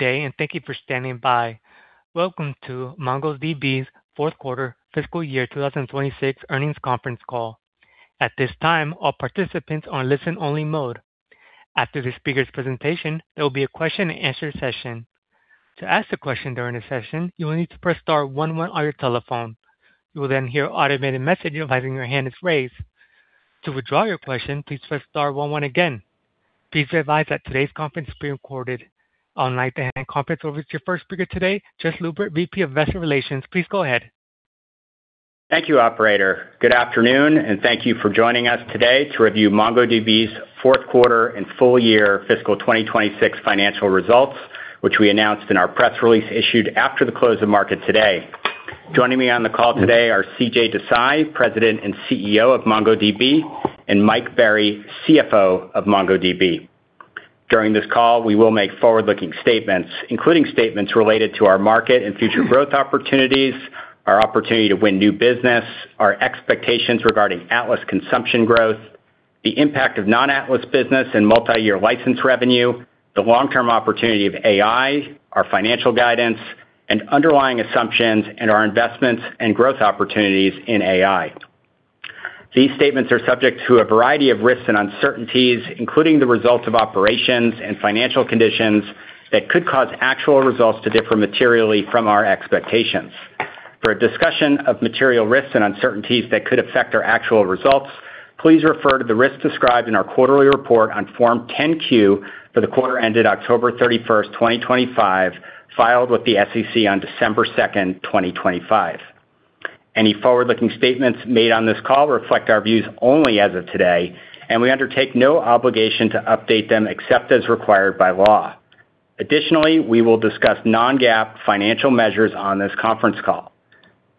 Day and thank you for standing by. Welcome to MongoDB's fourth quarter fiscal year 2026 earnings conference call. At this time, all participants are in listen-only mode. After the speaker's presentation, there will be a question-and-answer session. To ask a question during the session, you will need to press star one one on your telephone. You will then hear an automated message advising your hand is raised. To withdraw your question, please press star one one again. Please be advised that today's conference is being recorded. I'd like to hand the conference over to your first speaker today, Jess Lubert, VP of Investor Relations. Please go ahead. Thank you, operator. Good afternoon. Thank you for joining us today to review MongoDB's fourth quarter and full year fiscal 2026 financial results, which we announced in our press release issued after the close of market today. Joining me on the call today are CJ Desai, President and CEO of MongoDB, and Mike Berry, CFO of MongoDB. During this call, we will make forward-looking statements, including statements related to our market and future growth opportunities, our opportunity to win new business, our expectations regarding Atlas consumption growth, the impact of non-Atlas business and multi-year license revenue, the long-term opportunity of AI, our financial guidance, and underlying assumptions in our investments and growth opportunities in AI. These statements are subject to a variety of risks and uncertainties, including the results of operations and financial conditions that could cause actual results to differ materially from our expectations. For a discussion of material risks and uncertainties that could affect our actual results, please refer to the risks described in our quarterly report on Form 10-Q for the quarter ended October 31, 2025, filed with the SEC on December 2nd, 2025. Any forward-looking statements made on this call reflect our views only as of today, and we undertake no obligation to update them except as required by law. Additionally, we will discuss non-GAAP financial measures on this conference call.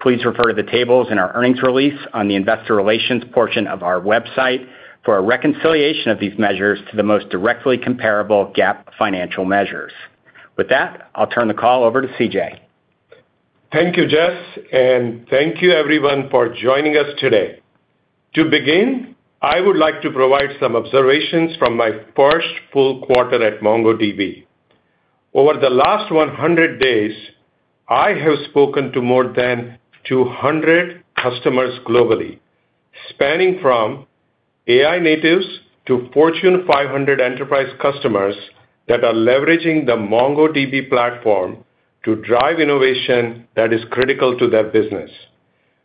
Please refer to the tables in our earnings release on the investor relations portion of our website for a reconciliation of these measures to the most directly comparable GAAP financial measures. With that, I'll turn the call over to CJ. Thank you, Jess, and thank you everyone for joining us today. To begin, I would like to provide some observations from my first full quarter at MongoDB. Over the last 100 days, I have spoken to more than 200 customers globally, spanning from AI natives to Fortune 500 enterprise customers that are leveraging the MongoDB platform to drive innovation that is critical to their business.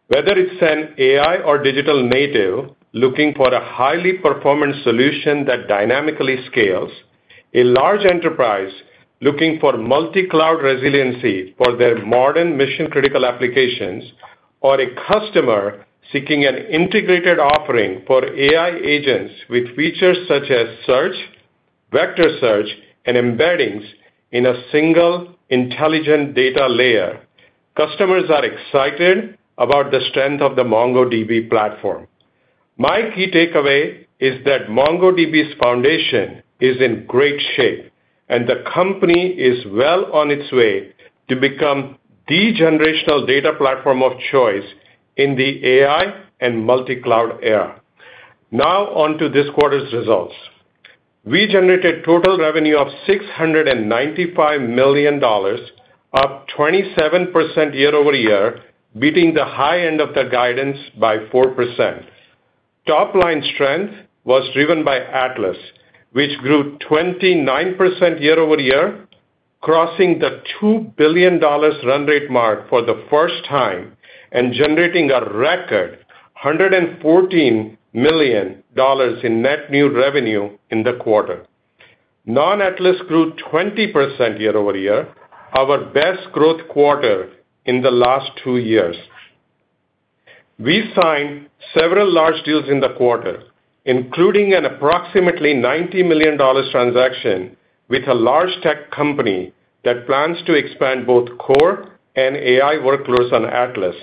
Whether it's an AI or digital native looking for a highly performant solution that dynamically scales, a large enterprise looking for multi-cloud resiliency for their modern mission-critical applications, or a customer seeking an integrated offering for AI agents with features such as search, Vector Search, and embeddings in a single intelligent data layer, customers are excited about the strength of the MongoDB platform. My key takeaway is that MongoDB's foundation is in great shape. The company is well on its way to become the generational data platform of choice in the AI and multi-cloud era. On to this quarter's results. We generated total revenue of $695 million, up 27% year-over-year, beating the high end of the guidance by 4%. Top-line strength was driven by Atlas, which grew 29% year-over-year, crossing the $2 billion run rate mark for the first time and generating a record $114 million in net new revenue in the quarter. Non-Atlas grew 20% year-over-year, our best growth quarter in the last two years. We signed several large deals in the quarter, including an approximately $90 million transaction with a large tech company that plans to expand both core and AI workloads on Atlas,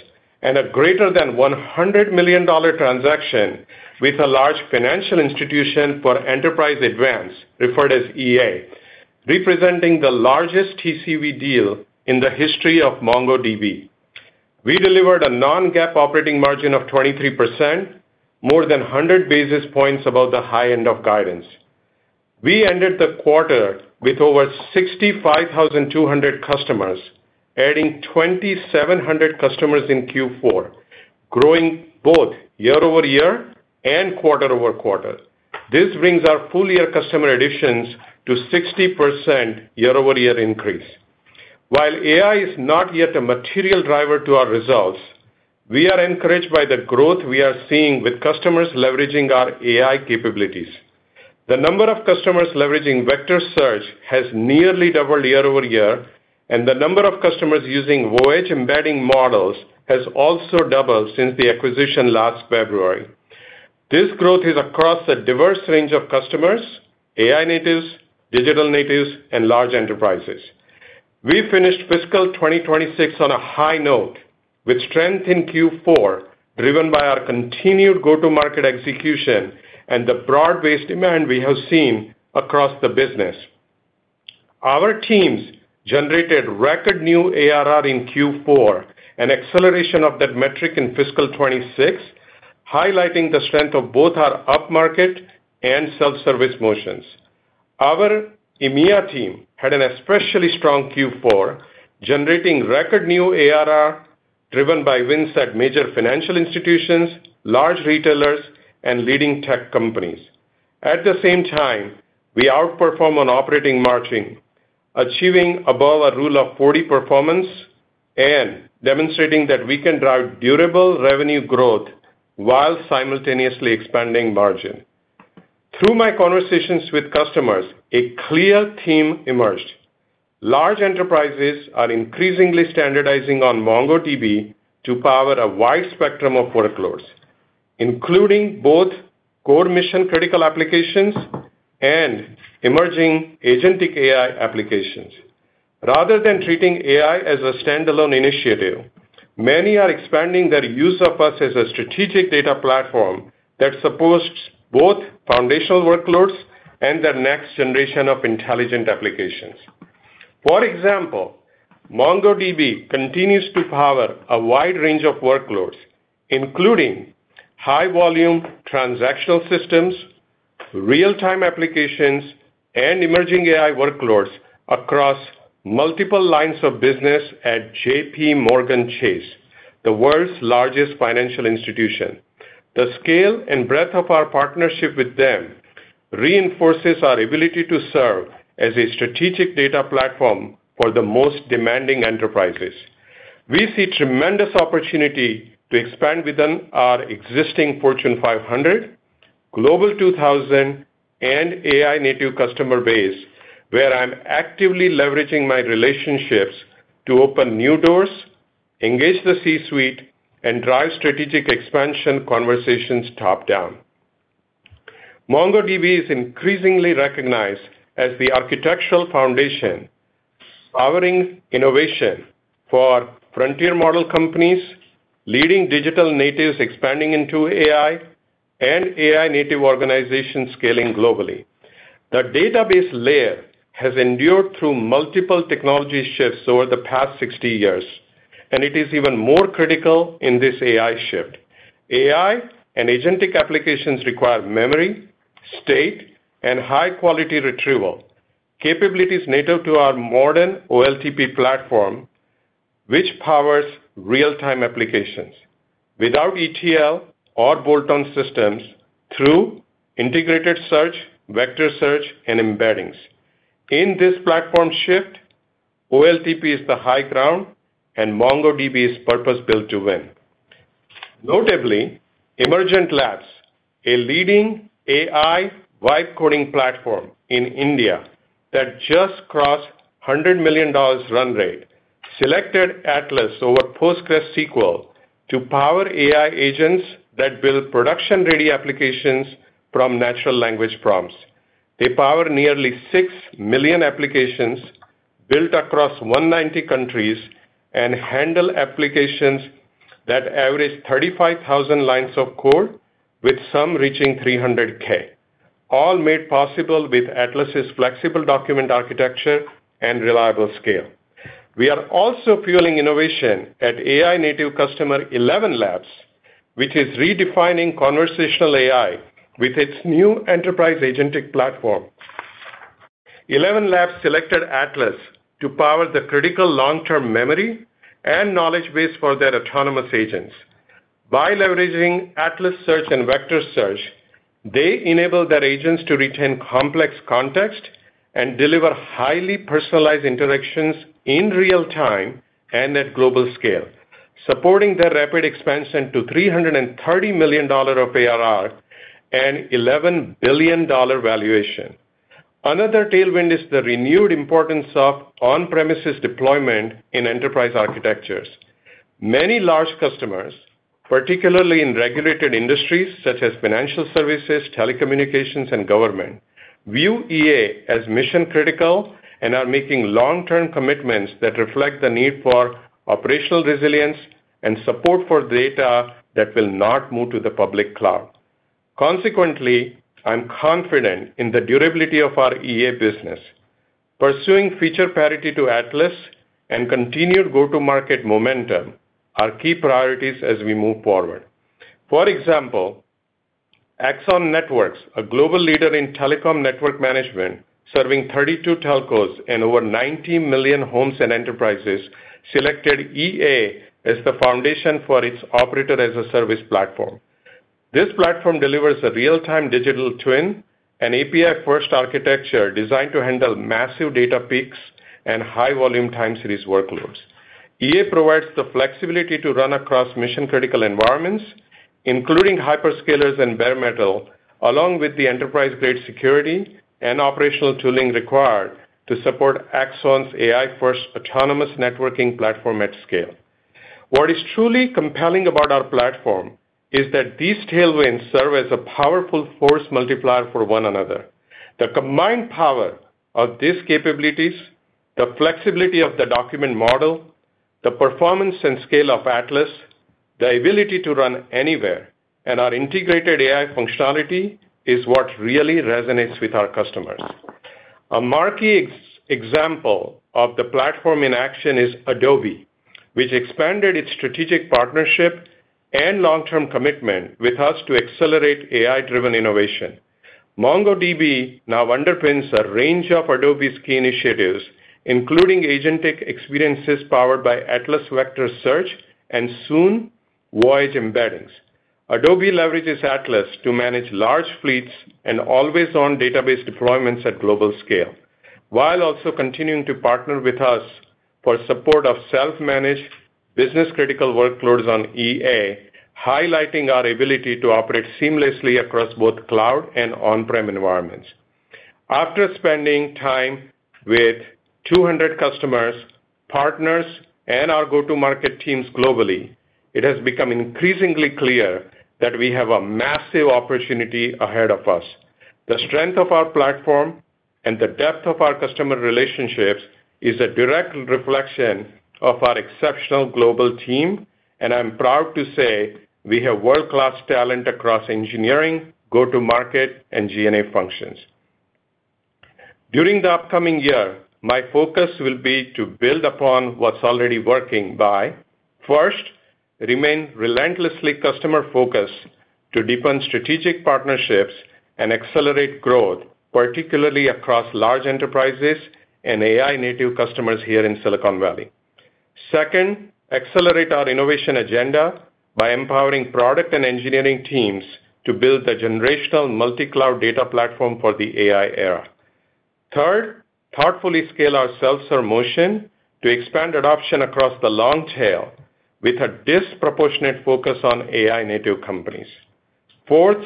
and a greater than $100 million transaction with a large financial institution for Enterprise Advanced, referred as EA, representing the largest TCV deal in the history of MongoDB. We delivered a non-GAAP operating margin of 23%, more than 100 basis points above the high end of guidance. We ended the quarter with over 65,200 customers, adding 2,700 customers in Q4, growing both year-over-year and quarter-over-quarter. This brings our full-year customer additions to 60% year-over-year increase. While AI is not yet a material driver to our results, we are encouraged by the growth we are seeing with customers leveraging our AI capabilities. The number of customers leveraging Vector Search has nearly doubled year-over-year, and the number of customers using Voyage embedding models has also doubled since the acquisition last February. This growth is across a diverse range of customers, AI natives, digital natives, and large enterprises. We finished fiscal 2026 on a high note, with strength in Q4 driven by our continued go-to-market execution and the broad-based demand we have seen across the business. Our teams generated record new ARR in Q4, an acceleration of that metric in fiscal 2026. Highlighting the strength of both our upmarket and self-service motions. Our EMEA team had an especially strong Q4, generating record new ARR driven by wins at major financial institutions, large retailers, and leading tech companies. We outperform on operating margin, achieving above our Rule of 40 performance and demonstrating that we can drive durable revenue growth while simultaneously expanding margin. Through my conversations with customers, a clear theme emerged. Large enterprises are increasingly standardizing on MongoDB to power a wide spectrum of workloads, including both core mission-critical applications and emerging agentic AI applications. Rather than treating AI as a standalone initiative, many are expanding their use of us as a strategic data platform that supports both foundational workloads and the next generation of intelligent applications. For example, MongoDB continues to power a wide range of workloads, including high volume transactional systems, real-time applications, and emerging AI workloads across multiple lines of business at JPMorgan Chase & Co., the world's largest financial institution. The scale and breadth of our partnership with them reinforces our ability to serve as a strategic data platform for the most demanding enterprises. We see tremendous opportunity to expand within our existing Fortune 500, Global 2000, and AI-native customer base, where I'm actively leveraging my relationships to open new doors, engage the C-suite, and drive strategic expansion conversations top-down. MongoDB is increasingly recognized as the architectural foundation powering innovation for frontier model companies, leading digital natives expanding into AI, and AI-native organizations scaling globally. The database layer has endured through multiple technology shifts over the past 60 years, and it is even more critical in this AI shift. AI and agentic applications require memory, state, and high-quality retrieval, capabilities native to our modern OLTP platform, which powers real-time applications without ETL or bolt-on systems through integrated search, Vector Search, and embeddings. In this platform shift, OLTP is the high ground and MongoDB is purpose-built to win. Notably, Emergent Labs, a leading AI vibe coding platform in India that just crossed $100 million run rate, selected Atlas over PostgreSQL to power AI agents that build production-ready applications from natural language prompts. They power nearly six million applications built across 190 countries and handle applications that average 35,000 lines of code, with some reaching 300K, all made possible with Atlas's flexible document architecture and reliable scale. We are also fueling innovation at AI native customer ElevenLabs, which is redefining conversational AI with its new enterprise agentic platform. ElevenLabs selected Atlas to power the critical long-term memory and knowledge base for their autonomous agents. By leveraging Atlas Search and Vector Search, they enable their agents to retain complex context and deliver highly personalized interactions in real time and at global scale, supporting their rapid expansion to $330 million of ARR and $11 billion valuation. Another tailwind is the renewed importance of on-premises deployment in enterprise architectures. Many large customers, particularly in regulated industries such as financial services, telecommunications, and government, view EA as mission-critical and are making long-term commitments that reflect the need for operational resilience and support for data that will not move to the public cloud. I'm confident in the durability of our EA business. Pursuing feature parity to Atlas and continued go-to-market momentum are key priorities as we move forward. For example, AXON Networks, a global leader in telecom network management, serving 32 telcos and over 90 million homes and enterprises, selected EA as the foundation for its operator-as-a-service platform. This platform delivers a real-time digital twin and API-first architecture designed to handle massive data peaks and high-volume time series workloads. EA provides the flexibility to run across mission-critical environments, including hyperscalers and bare metal, along with the enterprise-grade security and operational tooling required to support AXON's AI-first autonomous networking platform at scale. What is truly compelling about our platform is that these tailwinds serve as a powerful force multiplier for one another. The combined power of these capabilities, the flexibility of the document model, the performance and scale of Atlas, the ability to run anywhere, and our integrated AI functionality is what really resonates with our customers. A marquee example of the platform in action is Adobe, which expanded its strategic partnership and long-term commitment with us to accelerate AI-driven innovation. MongoDB now underpins a range of Adobe's key initiatives, including agentic experiences powered by Atlas Vector Search and soon Voyage Embeddings. Adobe leverages Atlas to manage large fleets and always-on database deployments at global scale, while also continuing to partner with us for support of self-managed business-critical workloads on EA, highlighting our ability to operate seamlessly across both cloud and on-prem environments. After spending time with 200 customers, partners, and our go-to-market teams globally, it has become increasingly clear that we have a massive opportunity ahead of us. The strength of our platform and the depth of our customer relationships is a direct reflection of our exceptional global team, and I'm proud to say we have world-class talent across engineering, go-to-market, and G&A functions. During the upcoming year, my focus will be to build upon what's already working by, first, remain relentlessly customer-focused to deepen strategic partnerships and accelerate growth, particularly across large enterprises and AI-native customers here in Silicon Valley. Second, accelerate our innovation agenda by empowering product and engineering teams to build a generational multi-cloud data platform for the AI era. Third, thoughtfully scale our self-serve motion to expand adoption across the long tail with a disproportionate focus on AI-native companies. Fourth,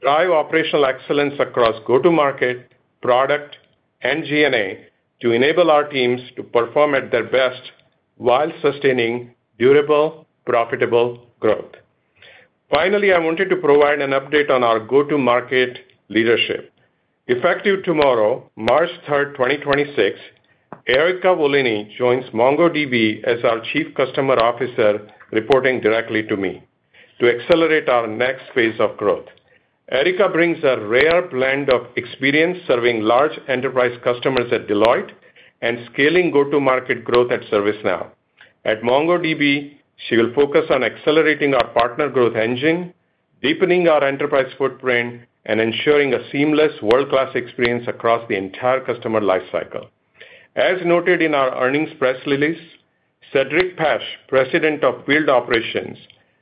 drive operational excellence across go-to-market, product, and G&A to enable our teams to perform at their best while sustaining durable, profitable growth. Finally, I wanted to provide an update on our go-to-market leadership. Effective tomorrow, March 3rd, 2026, Erica Volini joins MongoDB as our Chief Customer Officer, reporting directly to me to accelerate our next phase of growth. Erica brings a rare blend of experience serving large enterprise customers at Deloitte and scaling go-to-market growth at ServiceNow. At MongoDB, she will focus on accelerating our partner growth engine, deepening our enterprise footprint, and ensuring a seamless world-class experience across the entire customer life cycle. As noted in our earnings press release, Cedric Pech, President of Field Operations,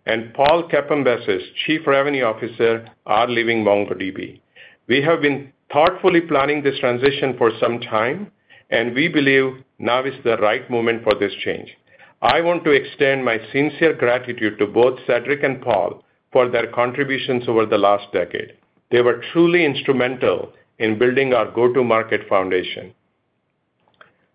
and Paul Capombassis, Chief Revenue Officer, are leaving MongoDB. We have been thoughtfully planning this transition for some time, and we believe now is the right moment for this change. I want to extend my sincere gratitude to both Cedric and Paul for their contributions over the last decade. They were truly instrumental in building our go-to-market foundation.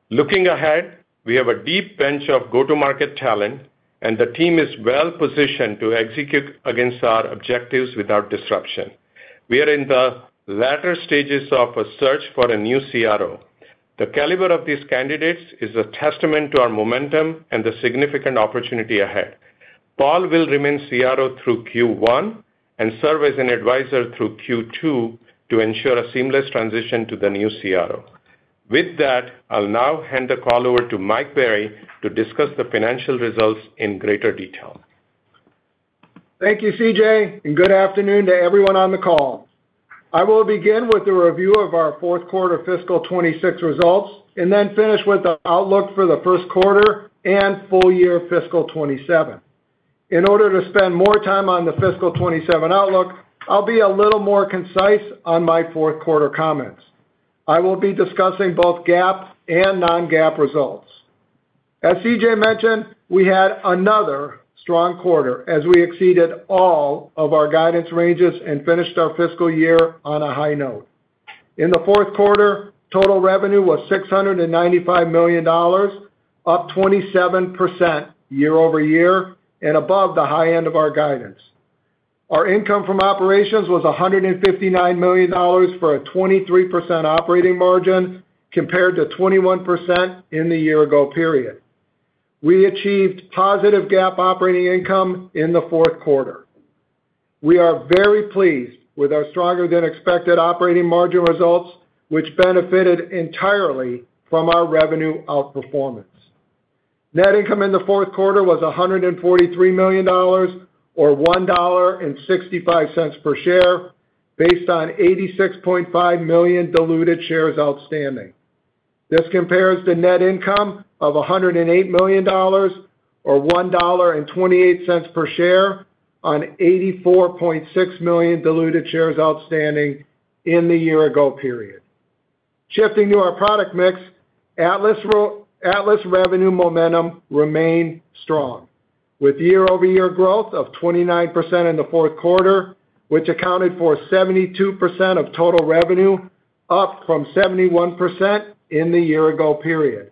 Looking ahead, we have a deep bench of go-to-market talent, and the team is well-positioned to execute against our objectives without disruption. We are in the latter stages of a search for a new CRO. The caliber of these candidates is a testament to our momentum and the significant opportunity ahead. Paul will remain CRO through Q1 and serve as an advisor through Q2 to ensure a seamless transition to the new CRO. With that, I'll now hand the call over to Mike Berry to discuss the financial results in greater detail. Thank you, CJ. Good afternoon to everyone on the call. I will begin with a review of our fourth quarter fiscal 2026 results, then finish with the outlook for the first quarter and full year fiscal 2027. In order to spend more time on the fiscal 2027 outlook, I'll be a little more concise on my fourth quarter comments. I will be discussing both GAAP and non-GAAP results. As CJ mentioned, we had another strong quarter as we exceeded all of our guidance ranges and finished our fiscal year on a high note. In the fourth quarter, total revenue was $695 million, up 27% year-over-year and above the high end of our guidance. Our income from operations was $159 million for a 23% operating margin compared to 21% in the year ago period. We achieved positive GAAP operating income in the fourth quarter. We are very pleased with our stronger than expected operating margin results, which benefited entirely from our revenue outperformance. Net income in the fourth quarter was $143 million or $1.65 per share based on 86.5 million diluted shares outstanding. This compares to net income of $108 million or $1.28 per share on 84.6 million diluted shares outstanding in the year ago period. Shifting to our product mix, Atlas revenue momentum remained strong with year-over-year growth of 29% in the fourth quarter, which accounted for 72% of total revenue, up from 71% in the year ago period.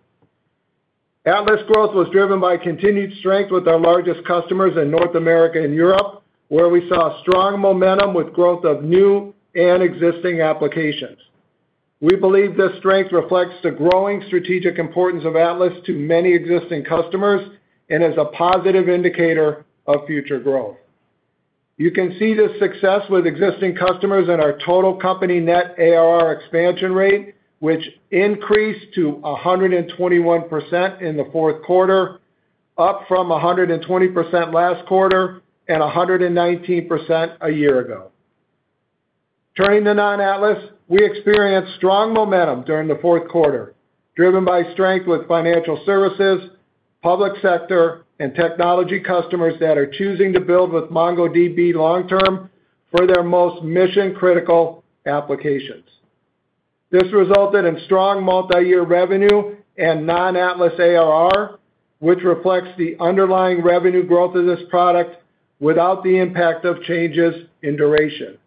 Atlas growth was driven by continued strength with our largest customers in North America and Europe, where we saw strong momentum with growth of new and existing applications. We believe this strength reflects the growing strategic importance of Atlas to many existing customers and is a positive indicator of future growth. You can see this success with existing customers in our total company net ARR expansion rate, which increased to 121% in the fourth quarter, up from 120% last quarter and 119% a year ago. Turning to non-Atlas, we experienced strong momentum during the fourth quarter, driven by strength with financial services, public sector, and technology customers that are choosing to build with MongoDB long-term for their most mission-critical applications. This resulted in strong multiyear revenue and non-Atlas ARR, which reflects the underlying revenue growth of this product without the impact of changes in duration.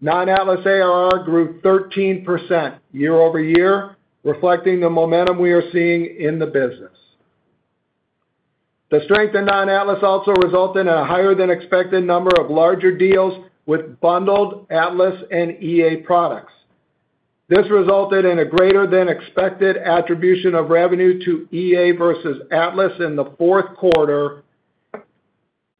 Non-Atlas ARR grew 13% year-over-year, reflecting the momentum we are seeing in the business. The strength in non-Atlas also resulted in a higher than expected number of larger deals with bundled Atlas and EA products. This resulted in a greater than expected attribution of revenue to EA versus Atlas in the fourth quarter.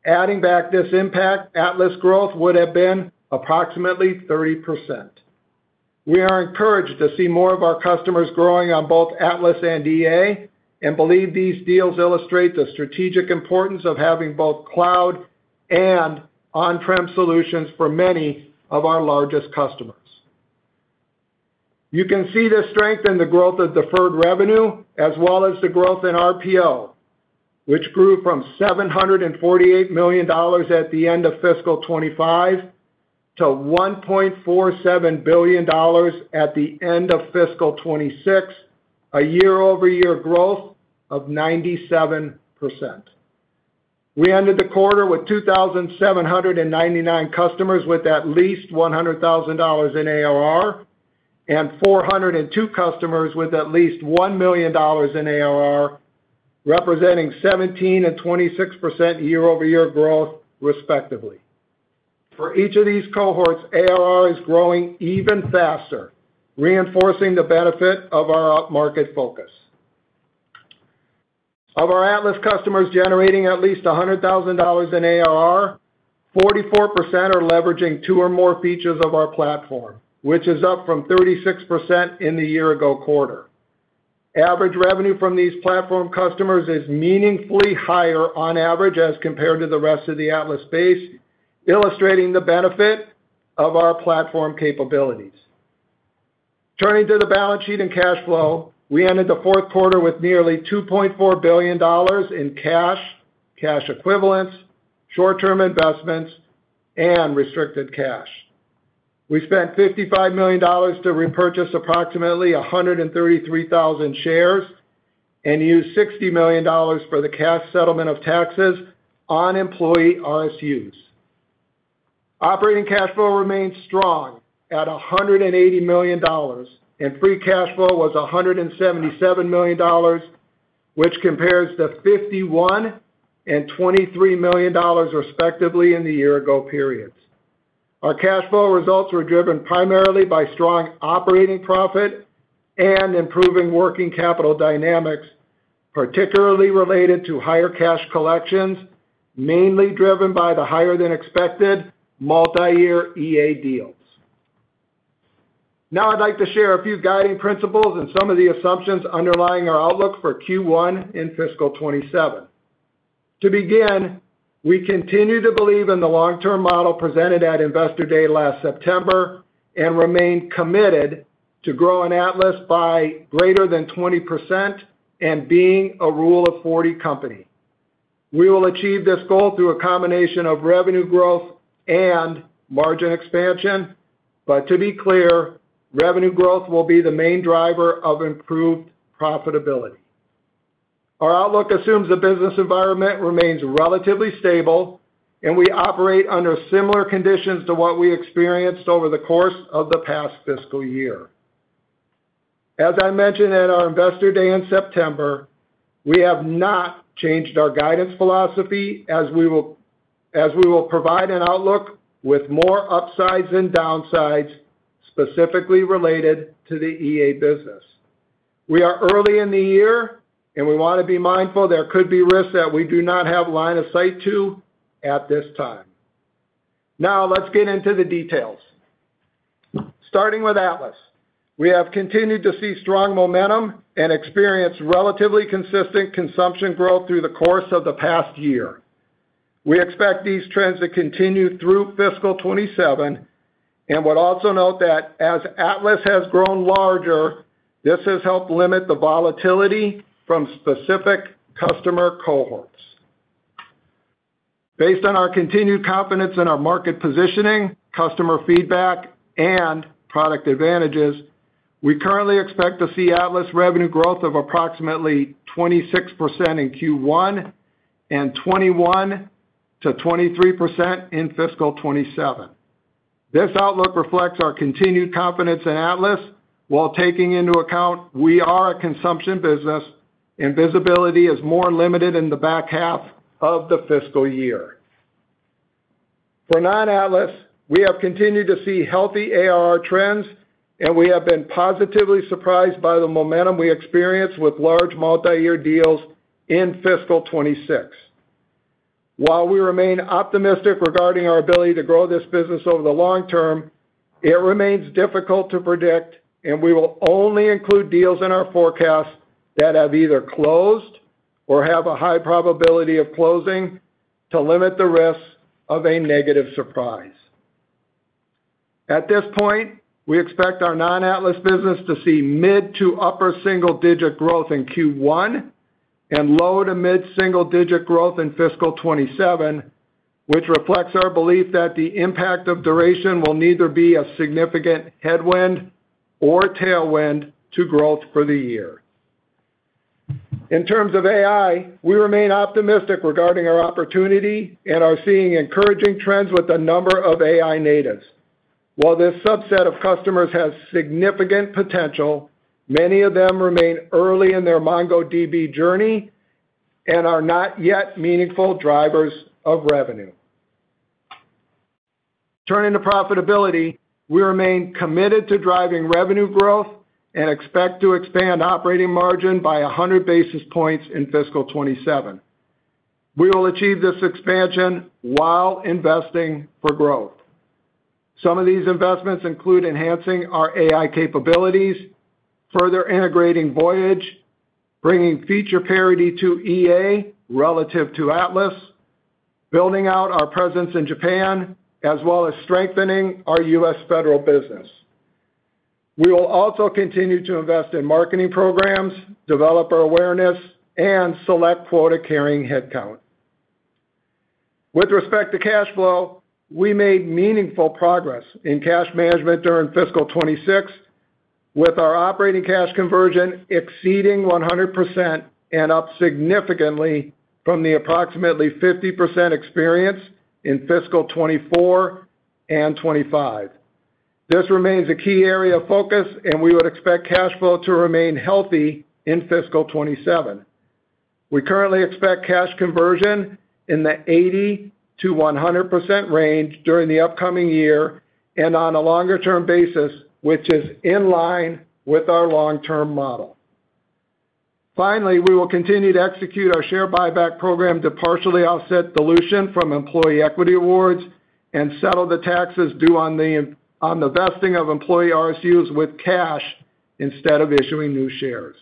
Adding back this impact, Atlas growth would have been approximately 30%. We are encouraged to see more of our customers growing on both Atlas and EA, and believe these deals illustrate the strategic importance of having both cloud and on-prem solutions for many of our largest customers. You can see this strength in the growth of deferred revenue as well as the growth in RPO, which grew from $748 million at the end of fiscal 2025 to $1.47 billion at the end of fiscal 2026, a year-over-year growth of 97%. We ended the quarter with 2,799 customers with at least $100,000 in ARR and 402 customers with at least $1 million in ARR, representing 17% and 26% year-over-year growth, respectively. For each of these cohorts, ARR is growing even faster, reinforcing the benefit of our upmarket focus. Of our Atlas customers generating at least $100,000 in ARR, 44% are leveraging two or more features of our platform, which is up from 36% in the year-ago quarter. Average revenue from these platform customers is meaningfully higher on average as compared to the rest of the Atlas base, illustrating the benefit of our platform capabilities. Turning to the balance sheet and cash flow, we ended the fourth quarter with nearly $2.4 billion in cash equivalents, short-term investments, and restricted cash. We spent $55 million to repurchase approximately 133,000 shares and used $60 million for the cash settlement of taxes on employee RSUs. Operating cash flow remains strong at $180 million, and free cash flow was $177 million, which compares to $51 million and $23 million respectively in the year-ago periods. Our cash flow results were driven primarily by strong operating profit and improving working capital dynamics, particularly related to higher cash collections, mainly driven by the higher than expected multiyear EA deals. I'd like to share a few guiding principles and some of the assumptions underlying our outlook for Q1 in fiscal 2027. To begin, we continue to believe in the long-term model presented at Investor Day last September, and remain committed to growing Atlas by greater than 20% and being a Rule of 40 company. We will achieve this goal through a combination of revenue growth and margin expansion. To be clear, revenue growth will be the main driver of improved profitability. Our outlook assumes the business environment remains relatively stable and we operate under similar conditions to what we experienced over the course of the past fiscal year. As I mentioned at our Investor Day in September, we have not changed our guidance philosophy, as we will provide an outlook with more upsides than downsides, specifically related to the EA business. We are early in the year, and we want to be mindful there could be risks that we do not have line of sight to at this time. Let's get into the details. Starting with Atlas. We have continued to see strong momentum and experience relatively consistent consumption growth through the course of the past year. We expect these trends to continue through fiscal 2027 and would also note that as Atlas has grown larger, this has helped limit the volatility from specific customer cohorts. Based on our continued confidence in our market positioning, customer feedback, and product advantages, we currently expect to see Atlas revenue growth of approximately 26% in Q1 and 21%-23% in fiscal 2027. This outlook reflects our continued confidence in Atlas, while taking into account we are a consumption business and visibility is more limited in the back half of the fiscal year. For non-Atlas, we have continued to see healthy ARR trends, and we have been positively surprised by the momentum we experienced with large multiyear deals in fiscal 2026. While we remain optimistic regarding our ability to grow this business over the long term, it remains difficult to predict, and we will only include deals in our forecast that have either closed or have a high probability of closing to limit the risk of a negative surprise. At this point, we expect our non-Atlas business to see mid to upper single-digit growth in Q1 and low to mid single-digit growth in fiscal 2027, which reflects our belief that the impact of duration will neither be a significant headwind or tailwind to growth for the year. In terms of AI, we remain optimistic regarding our opportunity and are seeing encouraging trends with a number of AI natives. While this subset of customers has significant potential, many of them remain early in their MongoDB journey and are not yet meaningful drivers of revenue. Turning to profitability, we remain committed to driving revenue growth and expect to expand operating margin by 100 basis points in fiscal 2027. We will achieve this expansion while investing for growth. Some of these investments include enhancing our AI capabilities, further integrating Voyage, bringing feature parity to EA relative to Atlas, building out our presence in Japan, as well as strengthening our U.S. federal business. We will also continue to invest in marketing programs, developer awareness, and select quota-carrying headcount. With respect to cash flow, we made meaningful progress in cash management during fiscal 2026, with our operating cash conversion exceeding 100% and up significantly from the approximately 50% experience in fiscal 2024 and 2025. This remains a key area of focus, and we would expect cash flow to remain healthy in fiscal 2027. We currently expect cash conversion in the 80%-100% range during the upcoming year and on a longer-term basis, which is in line with our long-term model. We will continue to execute our share buyback program to partially offset dilution from employee equity awards and settle the taxes due on the vesting of employee RSUs with cash instead of issuing new shares.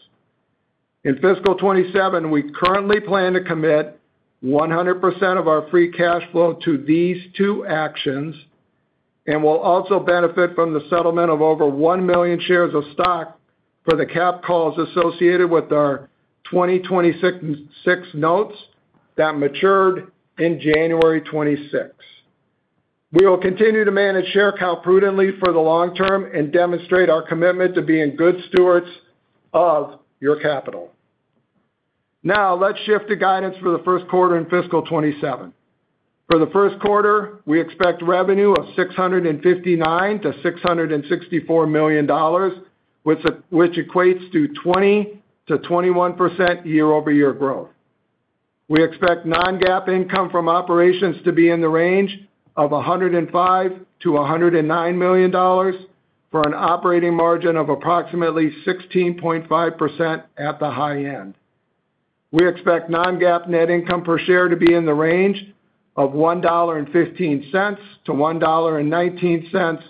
In fiscal 2027, we currently plan to commit 100% of our free cash flow to these two actions and will also benefit from the settlement of over one million shares of stock for the cap calls associated with our 2026 notes that matured in January 2026. We will continue to manage share count prudently for the long term and demonstrate our commitment to being good stewards of your capital. Let's shift to guidance for the first quarter in fiscal 2027. For the first quarter, we expect revenue of $659 million-$664 million, which equates to 20%-21% year-over-year growth. We expect non-GAAP income from operations to be in the range of $105 million-$109 million for an operating margin of approximately 16.5% at the high end. We expect non-GAAP net income per share to be in the range of $1.15-$1.19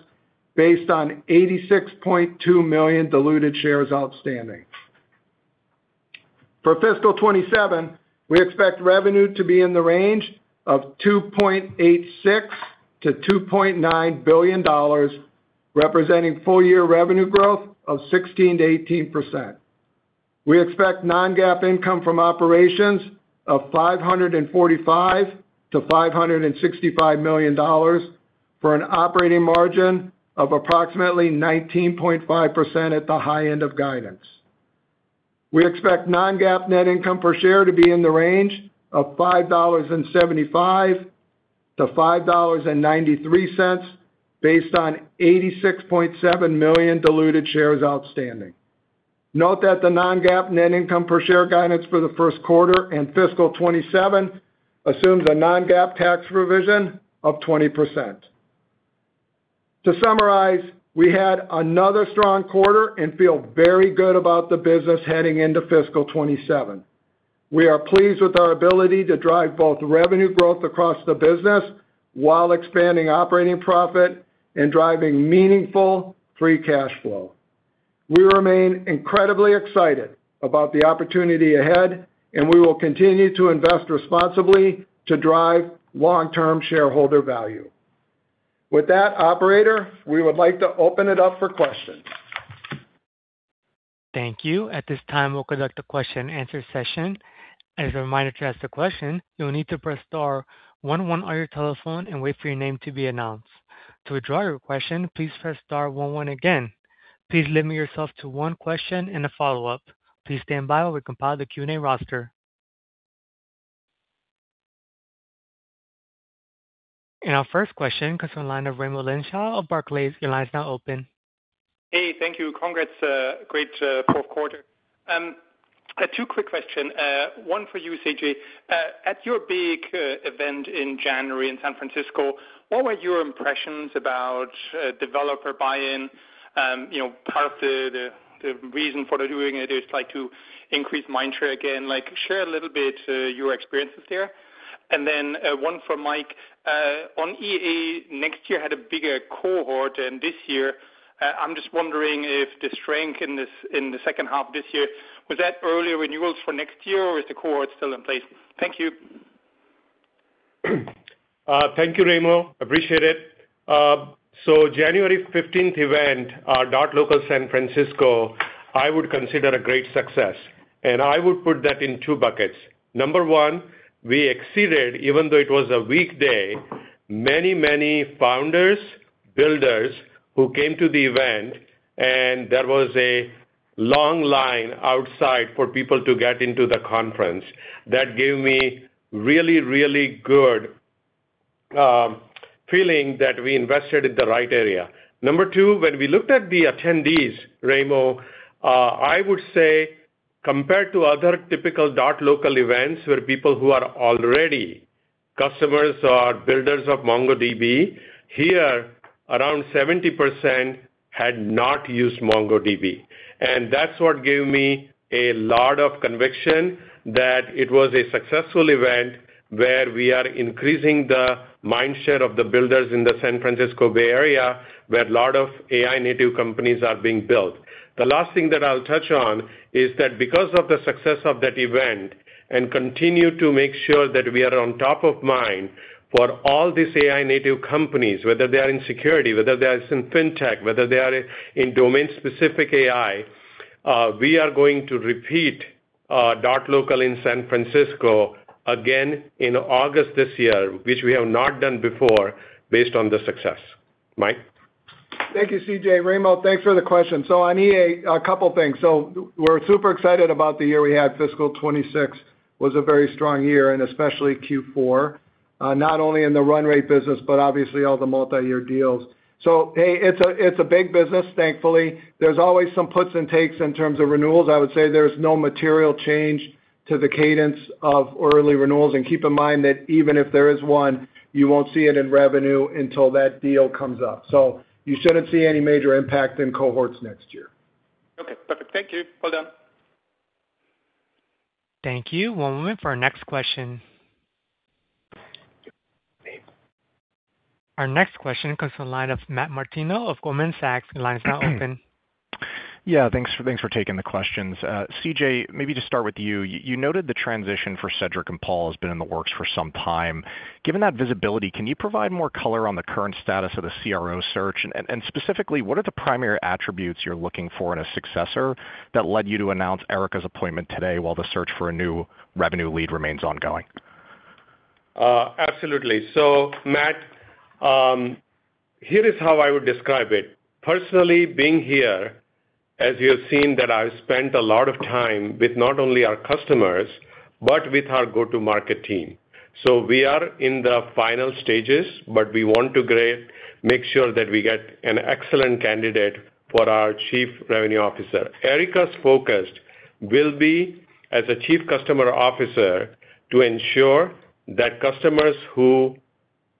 based on 86.2 million diluted shares outstanding. For fiscal 2027, we expect revenue to be in the range of $2.86 billion-$2.9 billion, representing full-year revenue growth of 16%-18%. We expect non-GAAP income from operations of $545 million-$565 million for an operating margin of approximately 19.5% at the high end of guidance. We expect non-GAAP net income per share to be in the range of $5.75-$5.93 based on 86.7 million diluted shares outstanding. Note that the non-GAAP net income per share guidance for the first quarter and fiscal 2027 assumes a non-GAAP tax provision of 20%. To summarize, we had another strong quarter and feel very good about the business heading into fiscal 2027. We are pleased with our ability to drive both revenue growth across the business while expanding operating profit and driving meaningful free cash flow. We remain incredibly excited about the opportunity ahead, and we will continue to invest responsibly to drive long-term shareholder value. With that, operator, we would like to open it up for questions. Thank you. At this time, we'll conduct a question-and-answer session. As a reminder, to ask a question, you'll need to press star one one on your telephone and wait for your name to be announced. To withdraw your question, please press star one one again. Please limit yourself to one question and a follow-up. Please stand by while we compile the Q&A roster. Our first question comes from the line of Raimo Lenschow of Barclays. Your line is now open. Hey, thank you. Congrats, great fourth quarter. two quick questions. One for you, CJ. At your big event in January in San Francisco, what were your impressions about developer buy-in? You know, part of the, the reason for doing it is like to increase mindshare again. Share a little bit your experiences there. One for Mike. On EA next year had a bigger cohort than this year. I'm just wondering if the strength in the second half this year, was that earlier renewals for next year or is the cohort still in place? Thank you. Thank you, Raimo. Appreciate it. January 15th event, our MongoDB.local San Francisco, I would consider a great success, and I would put that in two buckets. Number one, we exceeded, even though it was a weekday, many founders, builders who came to the event, and there was a long line outside for people to get into the conference. That gave me really good feeling that we invested in the right area. Number two, when we looked at the attendees, Raimo, I would say compared to other typical MongoDB.local events, where people who are already customers or builders of MongoDB, here, around 70% had not used MongoDB. That's what gave me a lot of conviction that it was a successful event where we are increasing the mind share of the builders in the San Francisco Bay Area, where a lot of AI native companies are being built. The last thing that I'll touch on is that because of the success of that event and continue to make sure that we are on top of mind for all these AI native companies, whether they are in security, whether they are in FinTech, whether they are in domain-specific AI, we are going to repeat our Dot Local in San Francisco again in August this year, which we have not done before based on the success. Mike? Thank you, CJ. Raimo, thanks for the question. On EA, couple things. We're super excited about the year we had. Fiscal 2026 was a very strong year and especially Q4, not only in the run rate business, but obviously all the multi-year deals. It's a big business, thankfully. There's always some puts and takes in terms of renewals. I would say there's no material change to the cadence of early renewals. Keep in mind that even if there is one, you won't see it in revenue until that deal comes up. You shouldn't see any major impact in cohorts next year. Okay, perfect. Thank you. Well done. Thank you. One moment for our next question. Our next question comes from the line of Matt Martino of Goldman Sachs. The line is now open. Yeah, thanks for taking the questions. CJ, maybe to start with you. You noted the transition for Cedric and Paul has been in the works for some time. Given that visibility, can you provide more color on the current status of the CRO search? Specifically, what are the primary attributes you're looking for in a successor that led you to announce Erica's appointment today while the search for a new revenue lead remains ongoing? Absolutely. Matt, here is how I would describe it. Personally, being here, as you have seen, that I've spent a lot of time with not only our customers, but with our go-to-market team. We are in the final stages, but we want to grade, make sure that we get an excellent candidate for our chief revenue officer. Erica's focus will be as a Chief Customer Officer to ensure that customers who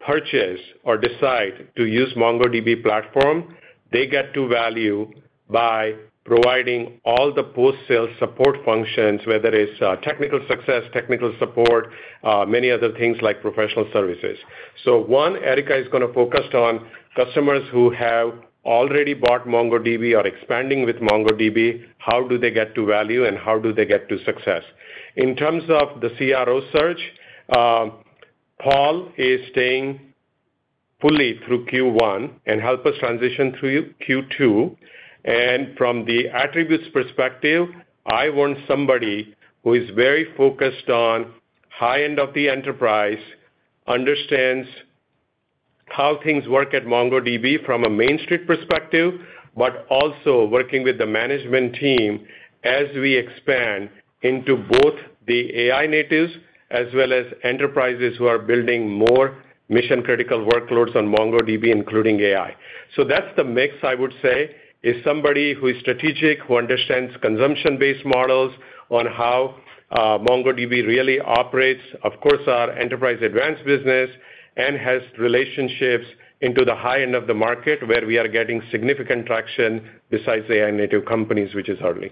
purchase or decide to use MongoDB platform, they get to value by providing all the post-sale support functions, whether it's technical success, technical support, many other things like professional services. One, Erica is gonna focus on customers who have already bought MongoDB, are expanding with MongoDB, how do they get to value and how do they get to success? In terms of the CRO search, Paul is staying fully through Q1 and help us transition through Q2. From the attributes perspective, I want somebody who is very focused on high end of the enterprise, understands how things work at MongoDB from a Main Street perspective, but also working with the management team as we expand into both the AI natives as well as enterprises who are building more mission-critical workloads on MongoDB, including AI. That's the mix I would say, is somebody who is strategic, who understands consumption-based models on how MongoDB really operates, of course, our Enterprise Advanced business, and has relationships into the high end of the market where we are getting significant traction besides AI native companies, which is early.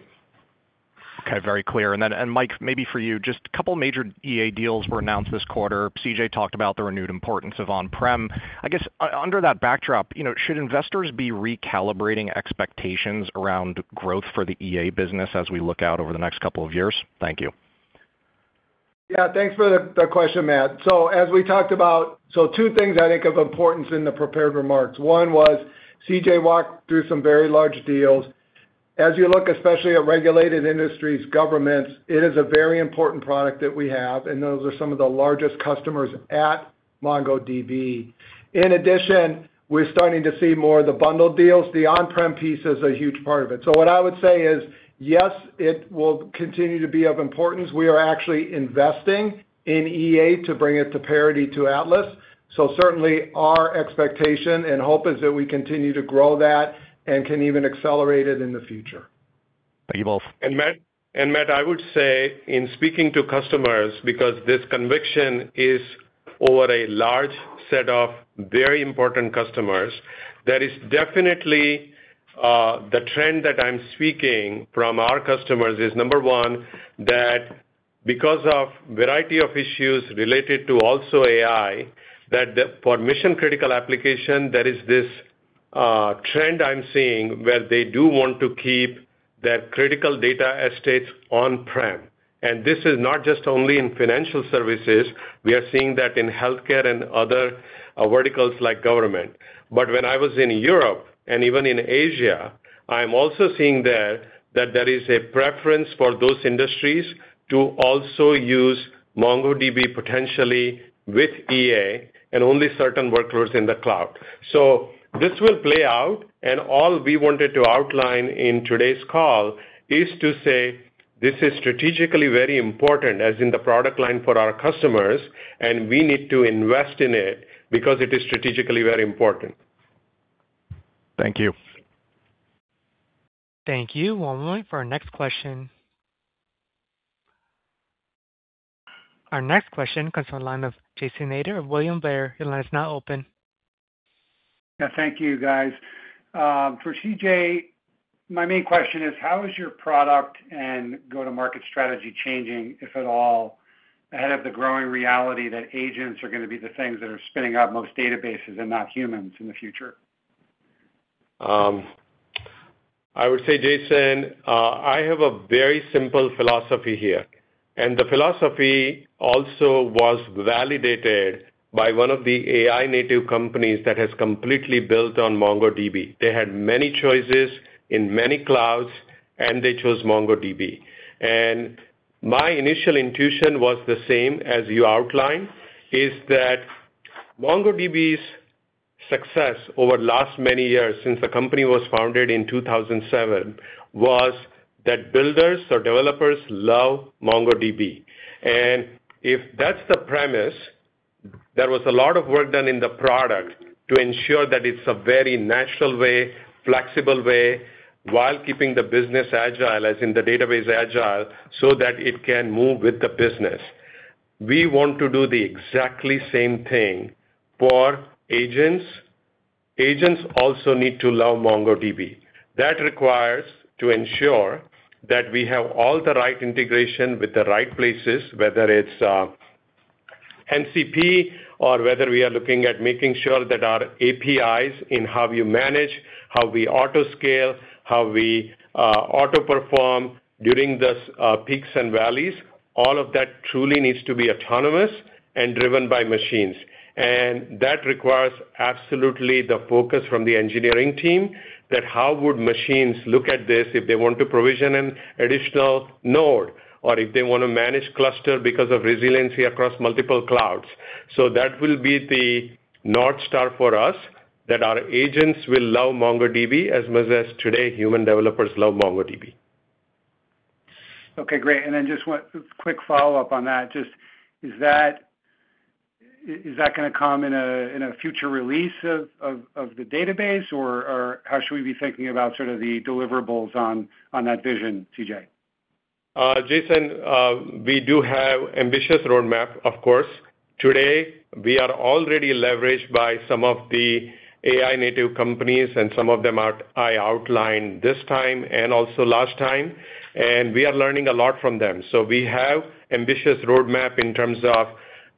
Okay. Very clear. Then, Mike, maybe for you, just a couple major EA deals were announced this quarter. CJ talked about the renewed importance of on-prem. I guess under that backdrop, you know, should investors be recalibrating expectations around growth for the EA business as we look out over the next couple of years? Thank you. Yeah. Thanks for the question, Matt. As we talked about, two things I think of importance in the prepared remarks. One was CJ walked through some very large deals. As you look especially at regulated industries, governments, it is a very important product that we have, and those are some of the largest customers at MongoDB. In addition, we're starting to see more of the bundled deals. The on-prem piece is a huge part of it. What I would say is, yes, it will continue to be of importance. We are actually investing in EA to bring it to parity to Atlas. Certainly our expectation and hope is that we continue to grow that and can even accelerate it in the future. Thank you both. Matt, I would say in speaking to customers, because this conviction is over a large set of very important customers. There is definitely, the trend that I'm speaking from our customers is number one, that because of variety of issues related to also AI, for mission-critical application, there is this trend I'm seeing where they do want to keep their critical data estates on-prem. This is not just only in financial services. We are seeing that in healthcare and other verticals like government. When I was in Europe and even in Asia, I'm also seeing there that there is a preference for those industries to also use MongoDB potentially with EA and only certain workloads in the cloud. This will play out, and all we wanted to outline in today's call is to say, this is strategically very important as in the product line for our customers, and we need to invest in it because it is strategically very important. Thank you. Thank you. One moment for our next question. Our next question comes from the line of Jason Ader of William Blair. Your line is now open. Yeah, thank you, guys. For CJ, my main question is, how is your product and go-to-market strategy changing, if at all, ahead of the growing reality that agents are gonna be the things that are spinning up most databases and not humans in the future? I would say, Jason, I have a very simple philosophy here. The philosophy also was validated by one of the AI native companies that has completely built on MongoDB. They had many choices in many clouds, and they chose MongoDB. My initial intuition was the same as you outlined, is that MongoDB's success over the last many years since the company was founded in 2007 was that builders or developers love MongoDB. If that's the premise, there was a lot of work done in the product to ensure that it's a very natural way, flexible way while keeping the business agile, as in the database agile, so that it can move with the business. We want to do the exactly same thing for agents. Agents also need to love MongoDB. That requires to ensure that we have all the right integration with the right places, whether it's GCP or whether we are looking at making sure that our APIs in how we manage, how we auto-scale, how we auto-perform during this peaks and valleys. All of that truly needs to be autonomous and driven by machines. That requires absolutely the focus from the engineering team that how would machines look at this if they want to provision an additional node or if they wanna manage cluster because of resiliency across multiple clouds. That will be the North Star for us, that our agents will love MongoDB as much as today human developers love MongoDB. Okay, great. Just one quick follow-up on that. Just is that gonna come in a future release of the database? Or how should we be thinking about sort of the deliverables on that vision, CJ? Jason, we do have ambitious roadmap, of course. Today, we are already leveraged by some of the AI native companies. I outlined this time and also last time, and we are learning a lot from them. We have ambitious roadmap in terms of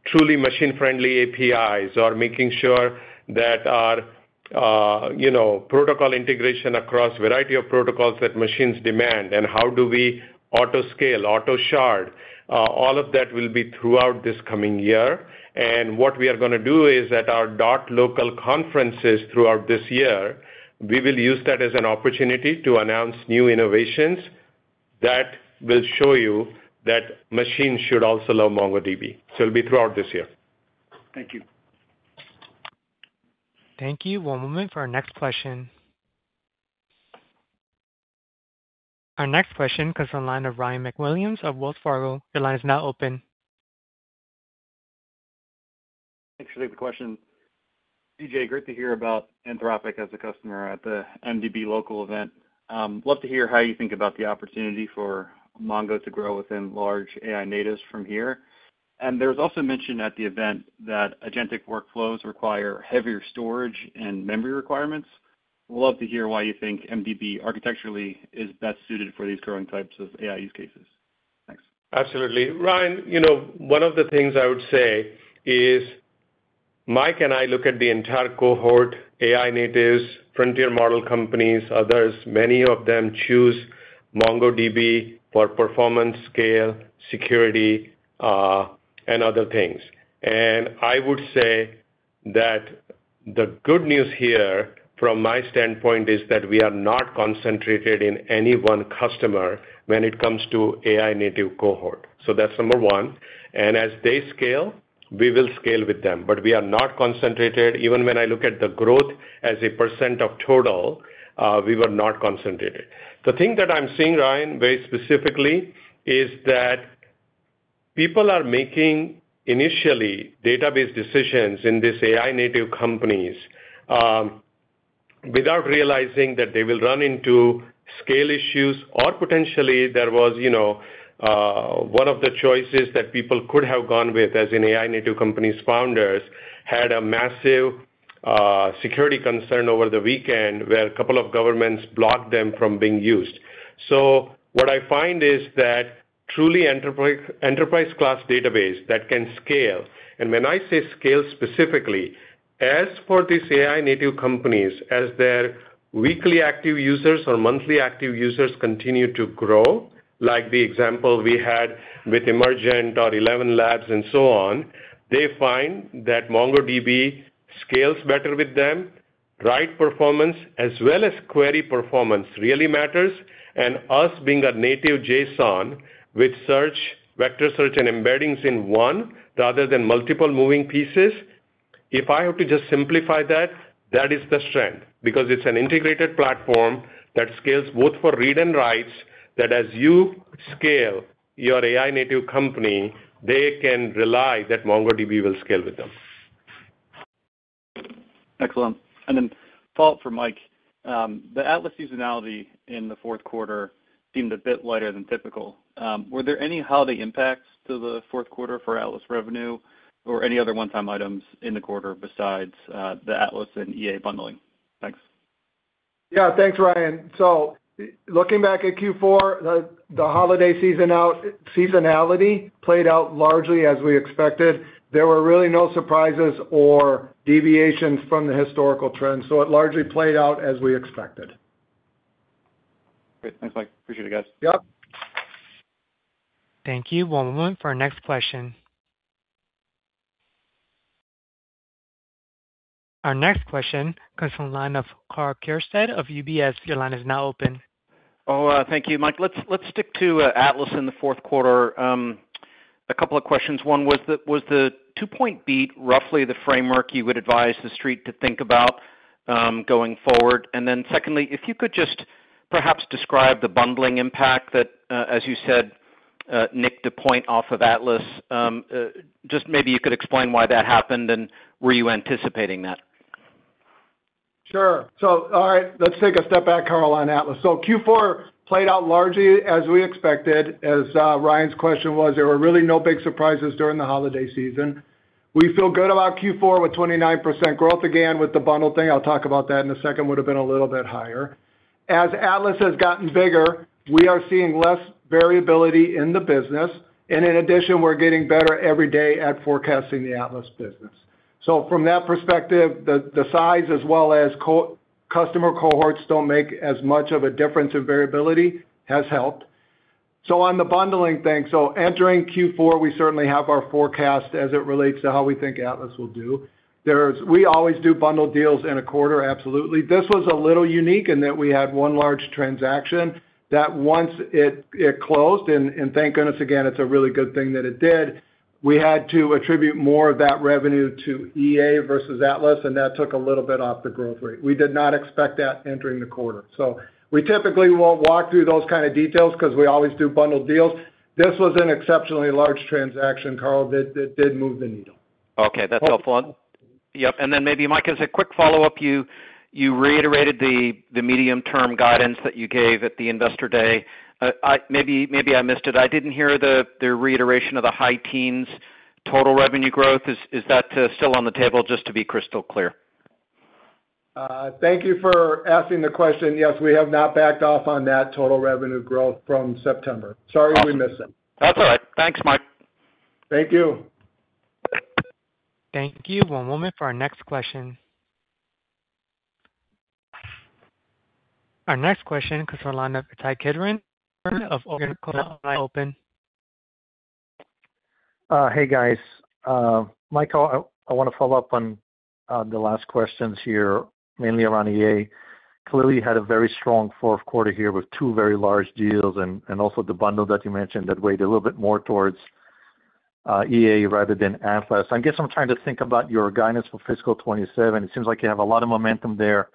truly machine-friendly APIs or making sure that our, you know, protocol integration across a variety of protocols that machines demand and how do we auto scale, auto shard. All of that will be throughout this coming year. What we are gonna do is at our MongoDB.local conferences throughout this year, we will use that as an opportunity to announce new innovations that will show you that machines should also love MongoDB. It'll be throughout this year. Thank you. Thank you. One moment for our next question. Our next question comes from the line of Ryan MacWilliams of Wells Fargo. Your line is now open. Thanks for the question. CJ, great to hear about Anthropic as a customer at the MongoDB.local event. Love to hear how you think about the opportunity for Mongo to grow within large AI natives from here. There was also mention at the event that agentic workflows require heavier storage and memory requirements. Would love to hear why you think MDB architecturally is best suited for these growing types of AI use cases. Thanks. Absolutely. Ryan, you know, one of the things I would say is Mike and I look at the entire cohort, AI natives, frontier model companies, others, many of them choose MongoDB for performance, scale, security, and other things. I would say that the good news here from my standpoint is that we are not concentrated in any one customer when it comes to AI native cohort. That's number one. As they scale, we will scale with them. We are not concentrated. Even when I look at the growth as a percent of total, we were not concentrated. The thing that I'm seeing, Ryan, very specifically, is that people are making initially database decisions in these AI native companies, without realizing that they will run into scale issues or potentially there was, you know, one of the choices that people could have gone with as an AI native company's founders had a massive security concern over the weekend, where a couple of governments blocked them from being used. What I find is that truly enterprise class database that can scale, and when I say scale specifically, as for these AI native companies, as their weekly active users or monthly active users continue to grow, like the example we had with Emergent or ElevenLabs and so on. They find that MongoDB scales better with them, write performance as well as query performance really matters, and us being a native JSON with search, Vector Search and embeddings in one rather than multiple moving pieces. If I have to just simplify that is the strength. It's an integrated platform that scales both for read and writes, that as you scale your AI native company, they can rely that MongoDB will scale with them. Excellent. A follow-up for Mike. The Atlas seasonality in the fourth quarter seemed a bit lighter than typical. Were there any holiday impacts to the fourth quarter for Atlas revenue or any other one-time items in the quarter besides the Atlas and EA bundling? Thanks. Yeah. Thanks, Ryan. Looking back at Q4, the holiday season seasonality played out largely as we expected. There were really no surprises or deviations from the historical trends. It largely played out as we expected. Great. Thanks, Mike. Appreciate it guys. Yep. Thank you. One moment for our next question. Our next question comes from the line of Karl Keirstead of UBS. Your line is now open. Thank you, Mike. Let's stick to Atlas in the fourth quarter. A couple of questions. One, was the two-point beat roughly the framework you would advise the street to think about, going forward? Secondly, if you could just perhaps describe the bundling impact that, as you said, nicked one point off of Atlas. Just maybe you could explain why that happened and were you anticipating that? Sure. All right, let's take a step back, Karl, on Atlas. Q4 played out largely as we expected. As Ryan's question was, there were really no big surprises during the holiday season. We feel good about Q4 with 29% growth. Again, with the bundle thing, I'll talk about that in a second, would've been a little bit higher. As Atlas has gotten bigger, we are seeing less variability in the business. In addition, we're getting better every day at forecasting the Atlas business. From that perspective, the size as well as customer cohorts don't make as much of a difference in variability has helped. On the bundling thing, entering Q4, we certainly have our forecast as it relates to how we think Atlas will do. There's. We always do bundle deals in a quarter, absolutely. This was a little unique in that we had one large transaction that once it closed, and thank goodness again, it's a really good thing that it did, we had to attribute more of that revenue to EA versus Atlas, and that took a little bit off the growth rate. We did not expect that entering the quarter. We typically won't walk through those kinda details 'cause we always do bundled deals. This was an exceptionally large transaction, Karl, that did move the needle. Okay. That's helpful. Yep. Then maybe, Mike, as a quick follow-up, you reiterated the medium-term guidance that you gave at the Investor Day. Maybe I missed it. I didn't hear the reiteration of the high teens total revenue growth. Is that still on the table, just to be crystal clear? Thank you for asking the question. Yes. We have not backed off on that total revenue growth from September. Sorry we missed it. That's all right. Thanks, Mike. Thank you. Thank you. One moment for our next question. Our next question comes from line of Ittai Kidron of Oppenheimer. Your line is now open. Hey, guys. Mike, I wanna follow up on the last questions here, mainly around EA. Clearly you had a very strong fourth quarter here with two very large deals and also the bundle that you mentioned that weighed a little bit more towards EA rather than Atlas. I guess I'm trying to think about your guidance for fiscal 2027. It seems like you have a lot of momentum there.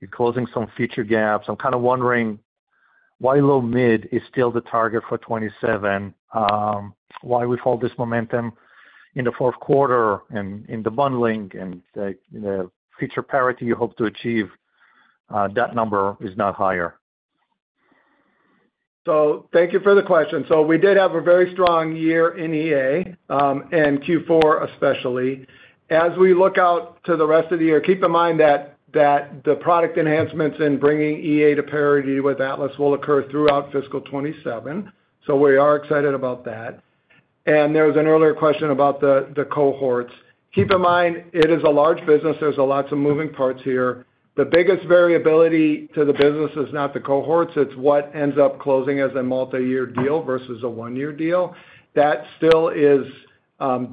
You're closing some feature gaps. I'm kinda wondering why low mid is still the target for 2027, why with all this momentum in the fourth quarter and in the bundling and the feature parity you hope to achieve, that number is not higher? Thank you for the question. We did have a very strong year in EA and Q4 especially. As we look out to the rest of the year, keep in mind that the product enhancements in bringing EA to parity with Atlas will occur throughout fiscal 2027, so we are excited about that. There was an earlier question about the cohorts. Keep in mind, it is a large business. There's lots of moving parts here. The biggest variability to the business is not the cohorts, it's what ends up closing as a multi-year deal versus a one-year deal. That still is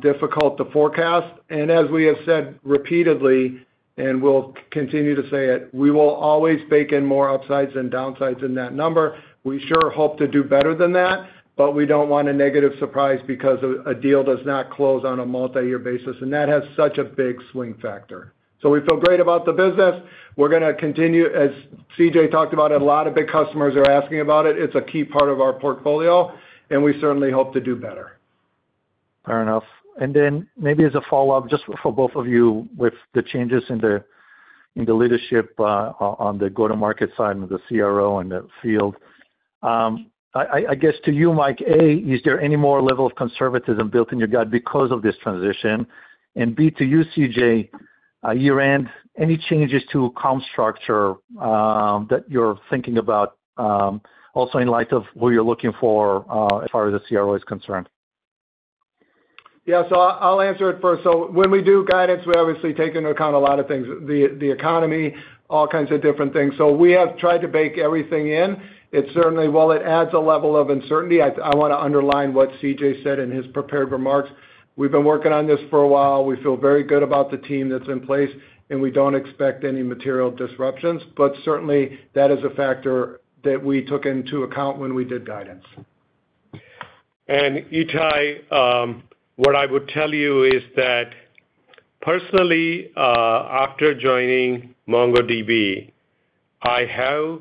difficult to forecast. As we have said repeatedly, and we'll continue to say it, we will always bake in more upsides than downsides in that number. We sure hope to do better than that, but we don't want a negative surprise because a deal does not close on a multi-year basis, and that has such a big swing factor. We feel great about the business. We're gonna continue, as CJ talked about it, a lot of big customers are asking about it. It's a key part of our portfolio, and we certainly hope to do better. Fair enough. Then maybe as a follow-up, just for both of you with the changes in the leadership, on the go-to-market side and the CRO and the field. I guess to you, Mike, A, is there any more level of conservatism built in your guide because of this transition? B, to you, CJ, year-end, any changes to com structure that you're thinking about, also in light of who you're looking for, as far as the CRO is concerned? Yeah. I'll answer it first. When we do guidance, we obviously take into account a lot of things, the economy, all kinds of different things. We have tried to bake everything in. It certainly while it adds a level of uncertainty, I wanna underline what CJ said in his prepared remarks. We've been working on this for a while. We feel very good about the team that's in place, and we don't expect any material disruptions. Certainly that is a factor that we took into account when we did guidance. Ittai, what I would tell you is that personally, after joining MongoDB, I have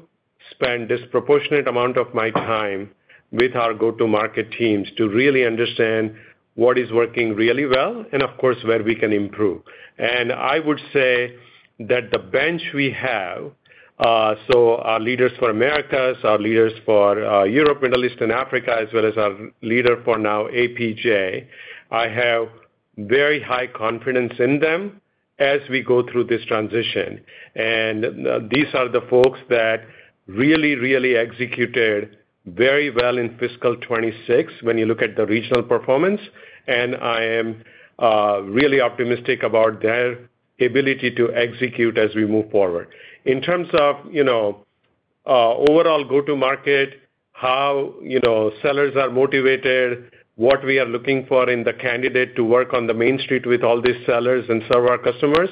spent disproportionate amount of my time with our go-to-market teams to really understand what is working really well and of course, where we can improve. I would say that the bench we have, so our leaders for Americas, our leaders for Europe, Middle East and Africa, as well as our leader for now, APJ, I have very high confidence in them as we go through this transition. These are the folks that really executed very well in fiscal 2026 when you look at the regional performance, and I am really optimistic about their ability to execute as we move forward. In terms of, you know, overall go to market, how, you know, sellers are motivated, what we are looking for in the candidate to work on the Main Street with all these sellers and serve our customers,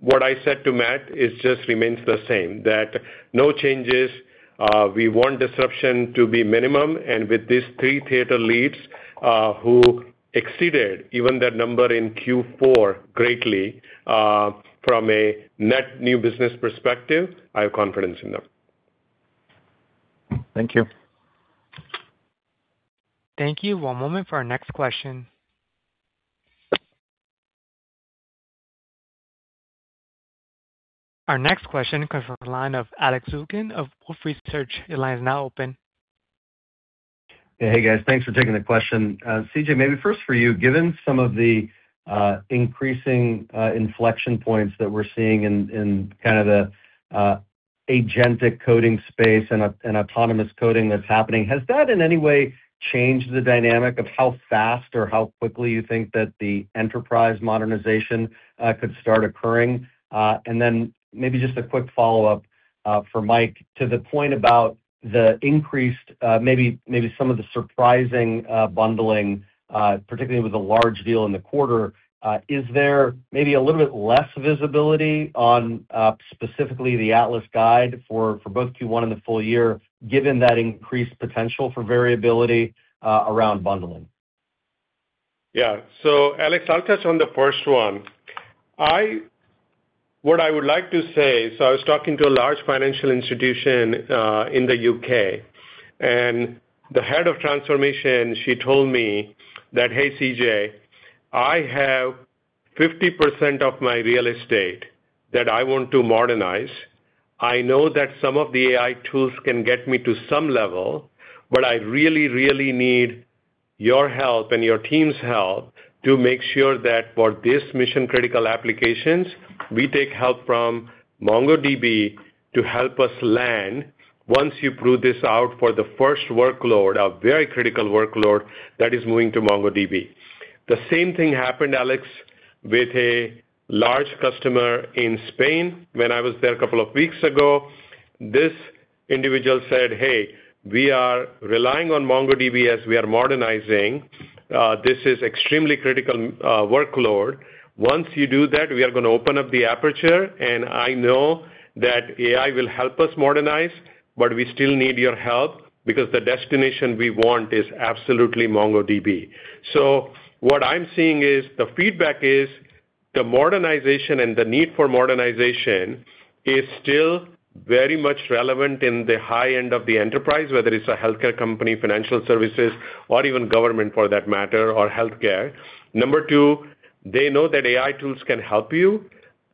what I said to Matt is just remains the same, that no changes. We want disruption to be minimum. With these three theater leads, who exceeded even that number in Q4 greatly, from a net new business perspective, I have confidence in them. Thank you. Thank you. One moment for our next question. Our next question comes from the line of Alex Zukin of Wolfe Research. Your line is now open. Hey, guys. Thanks for taking the question. CJ, maybe first for you, given some of the increasing inflection points that we're seeing in kind of the agentic coding space and autonomous coding that's happening, has that in any way changed the dynamic of how fast or how quickly you think that the enterprise modernization could start occurring? Maybe just a quick follow-up for Mike. To the point about the increased, maybe some of the surprising bundling, particularly with a large deal in the quarter, is there maybe a little bit less visibility on specifically the Atlas guide for both Q1 and the full year, given that increased potential for variability around bundling? Yeah. Alex, I'll touch on the first one. What I would like to say, I was talking to a large financial institution in the U.K. The head of transformation, she told me that, "Hey, CJ, I have 50% of my real estate that I want to modernize. I know that some of the AI tools can get me to some level, I really need your help and your team's help to make sure that for this mission-critical applications, we take help from MongoDB to help us land once you prove this out for the first workload, a very critical workload that is moving to MongoDB." The same thing happened, Alex, with a large customer in Spain when I was there a couple of weeks ago. This individual said, "Hey, we are relying on MongoDB as we are modernizing. This is extremely critical, workload. Once you do that, we are gonna open up the aperture, and I know that AI will help us modernize, but we still need your help because the destination we want is absolutely MongoDB." What I'm seeing is the feedback is the modernization and the need for modernization is still very much relevant in the high end of the enterprise, whether it's a healthcare company, financial services, or even government for that matter, or healthcare. Number two, they know that AI tools can help you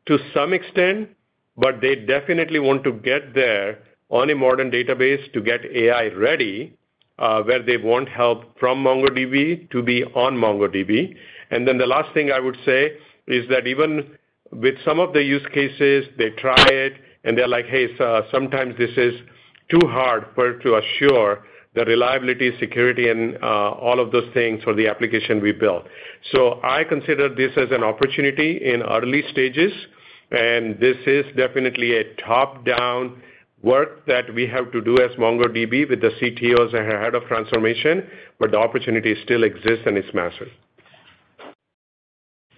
to some extent, but they definitely want to get there on a modern database to get AI ready, where they want help from MongoDB to be on MongoDB. The last thing I would say is that even with some of the use cases, they try it and they're like, "Hey, sometimes this is too hard to assure the reliability, security, and all of those things for the application we built." I consider this as an opportunity in early stages. This is definitely a top-down work that we have to do as MongoDB with the CTOs and head of transformation. The opportunity still exists and it's massive.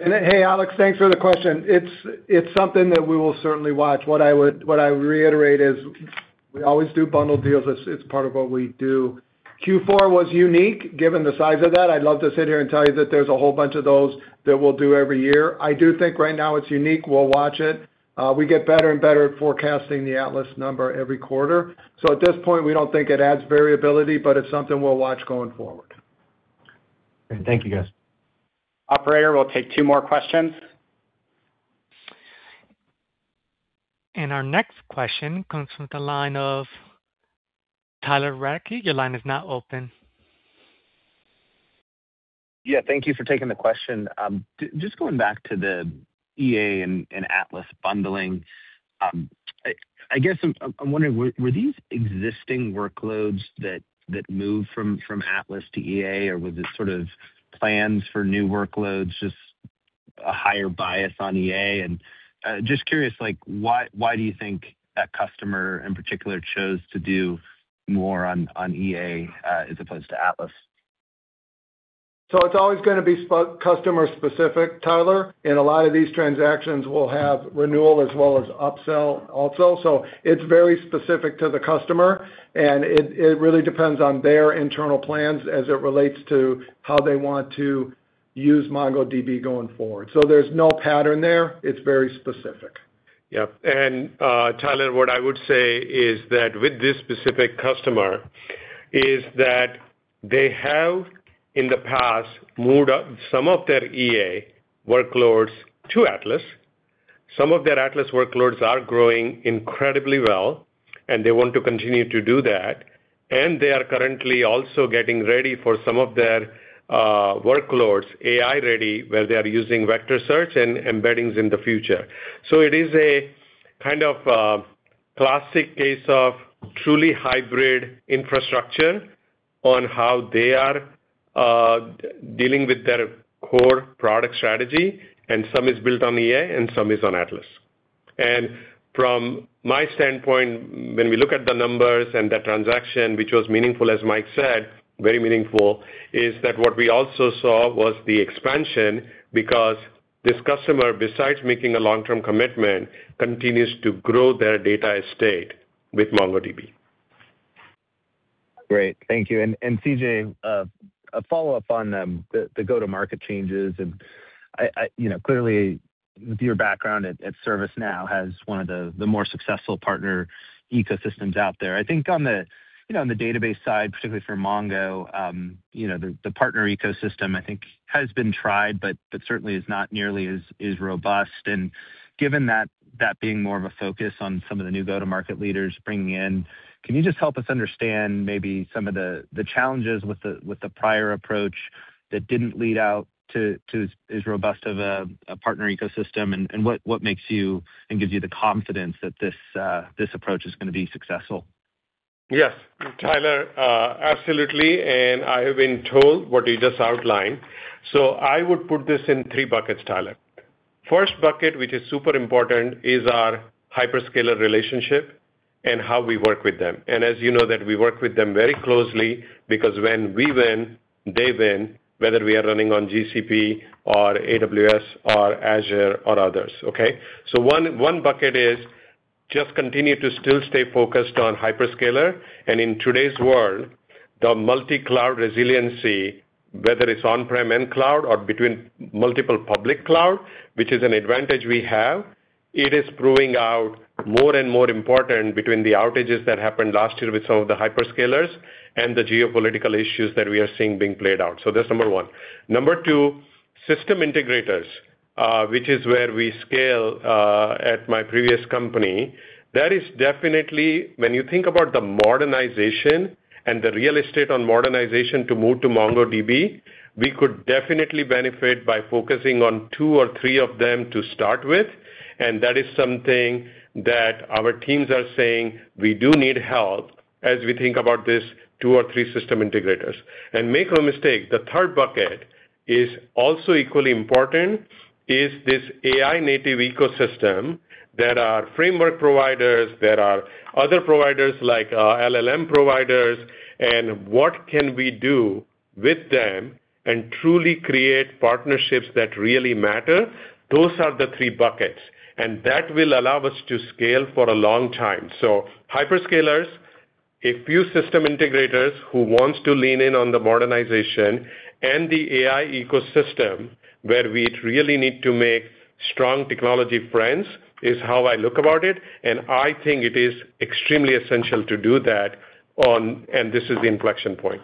Hey, Alex, thanks for the question. It's something that we will certainly watch. What I reiterate is we always do bundle deals. It's part of what we do. Q4 was unique given the size of that. I'd love to sit here and tell you that there's a whole bunch of those that we'll do every year. I do think right now it's unique. We'll watch it. We get better and better at forecasting the Atlas number every quarter. At this point, we don't think it adds variability, but it's something we'll watch going forward. Great. Thank you, guys. Operator, we'll take two more questions. Our next question comes from the line of Tyler Radke. Your line is now open. Yeah, thank you for taking the question. Just going back to the EA and Atlas bundling, I guess I'm wondering, were these existing workloads that moved from Atlas to EA or was it sort of plans for new workloads, just a higher bias on EA? Just curious, like, why do you think that customer in particular chose to do more on EA as opposed to Atlas? It's always gonna be customer specific, Tyler, and a lot of these transactions will have renewal as well as upsell also. It's very specific to the customer, and it really depends on their internal plans as it relates to how they want to use MongoDB going forward. There's no pattern there. It's very specific. Tyler, what I would say is that with this specific customer is that they have in the past moved up some of their EA workloads to Atlas. Some of their Atlas workloads are growing incredibly well, and they want to continue to do that. They are currently also getting ready for some of their workloads, AI ready, where they are using Vector Search and embeddings in the future. It is a kind of classic case of truly hybrid infrastructure on how they are dealing with their core product strategy, and some is built on EA and some is on Atlas. From my standpoint, when we look at the numbers and the transaction, which was meaningful as Mike said, very meaningful, is that what we also saw was the expansion because this customer, besides making a long-term commitment, continues to grow their data estate with MongoDB. Great. Thank you. CJ, a follow-up on the go-to-market changes. And I, you know, clearly with your background at ServiceNow has one of the more successful partner ecosystems out there. I think on the, you know, on the database side, particularly for Mongo, you know, the partner ecosystem I think has been tried, but certainly is not nearly as robust. And given that being more of a focus on some of the new go-to-market leaders bringing in, can you just help us understand maybe some of the challenges with the prior approach that didn't lead out to as robust of a partner ecosystem and what makes you and gives you the confidence that this approach is gonna be successful? Yes. Tyler, absolutely, I have been told what you just outlined. I would put this in three buckets, Tyler. First bucket, which is super important, is our hyperscaler relationship and how we work with them. As you know that we work with them very closely because when we win, they win, whether we are running on GCP or AWS or Azure or others, okay? One bucket is just continue to still stay focused on hyperscaler. In today's world, the multi-cloud resiliency, whether it's on-prem and cloud or between multiple public cloud, which is an advantage we have, it is proving out more and more important between the outages that happened last year with some of the hyperscalers and the geopolitical issues that we are seeing being played out. That's number one. Number two, system integrators, which is where we scale at my previous company. That is definitely when you think about the modernization and the real estate on modernization to move to MongoDB, we could definitely benefit by focusing on two or three of them to start with, and that is something that our teams are saying we do need help as we think about this two or three system integrators. Make no mistake, the third bucket is also equally important, is this AI native ecosystem. There are framework providers, there are other providers like LLM providers. What can we do with them and truly create partnerships that really matter. Those are the three buckets. That will allow us to scale for a long time. hyperscalers, a few system integrators who wants to lean in on the modernization and the AI ecosystem where we really need to make strong technology friends is how I look about it, and I think it is extremely essential to do that. This is the inflection point.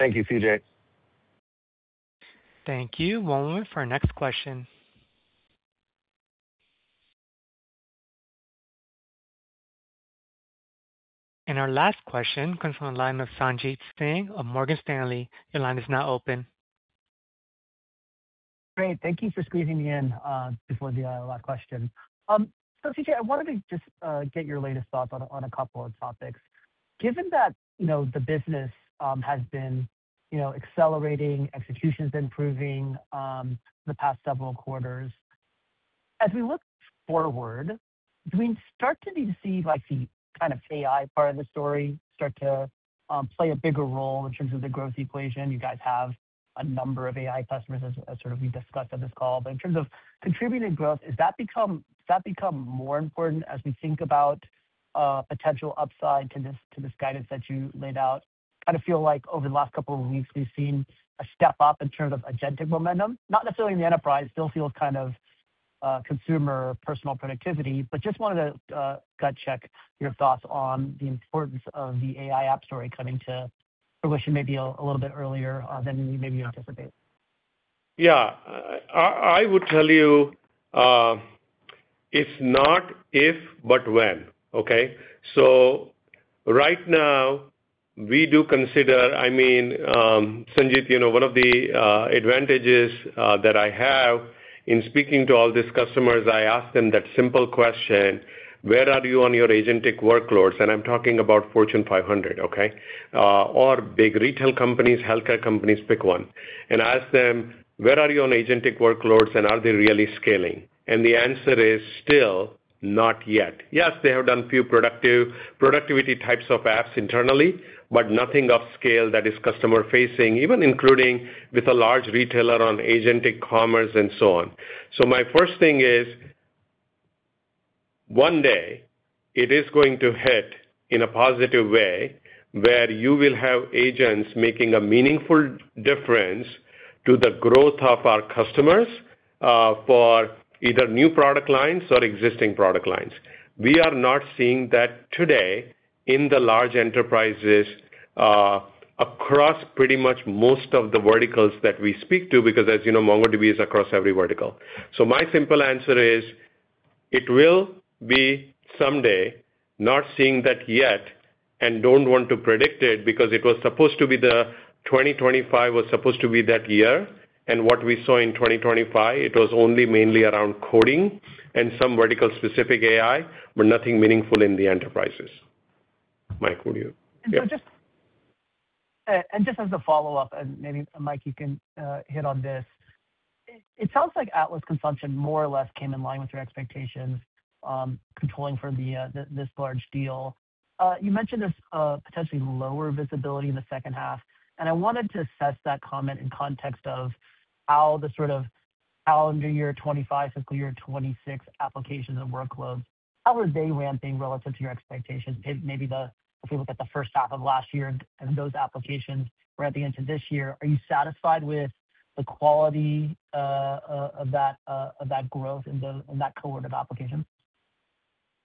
Thank you, CJ. Thank you. One moment for our next question. Our last question comes from the line of Sanjit Singh of Morgan Stanley. Your line is now open. Great. Thank you for squeezing me in before the IR question. CJ, I wanted to just get your latest thoughts on a couple of topics. Given that, you know, the business has been, you know, accelerating, execution's been improving the past several quarters. As we look forward, do we start to need to see like the kind of AI part of the story start to play a bigger role in terms of the growth equation? You guys have a number of AI customers as sort of we discussed on this call. In terms of contributing growth, has that become more important as we think about potential upside to this guidance that you laid out? Kinda feel like over the last couple of weeks we've seen a step up in terms of agentic momentum. Not necessarily in the enterprise, still feels kind of consumer personal productivity, but just wanted to gut check your thoughts on the importance of the AI app story coming to fruition maybe a little bit earlier than you maybe anticipate. Yeah. I would tell you, it's not if but when. Okay? Right now we do consider. I mean, Sanjit, you know, one of the advantages that I have in speaking to all these customers, I ask them that simple question, "Where are you on your agentic workloads?" I'm talking about Fortune 500, okay? Or big retail companies, healthcare companies, pick one. Ask them, "Where are you on agentic workloads, and are they really scaling?" The answer is still not yet. Yes, they have done few productivity types of apps internally, but nothing of scale that is customer-facing, even including with a large retailer on agentic commerce and so on. My first thing is, one day it is going to hit in a positive way, where you will have agents making a meaningful difference to the growth of our customers, for either new product lines or existing product lines. We are not seeing that today in the large enterprises, across pretty much most of the verticals that we speak to, because as you know, MongoDB is across every vertical. My simple answer is it will be someday. Not seeing that yet, and don't want to predict it because it was supposed to be the 2025 was supposed to be that year, and what we saw in 2025, it was only mainly around coding and some vertical specific AI, but nothing meaningful in the enterprises. Mike, what do you. Yeah. Just as a follow-up, and maybe, Mike, you can hit on this. It sounds like Atlas consumption more or less came in line with your expectations, controlling for this large deal. You mentioned this potentially lower visibility in the second half, and I wanted to assess that comment in context of how the sort of calendar year 2025, fiscal year 2026 applications and workloads, how are they ramping relative to your expectations? Maybe the, if we look at the first half of last year and those applications we're at the into this year. Are you satisfied with the quality of that growth in that cohort of applications?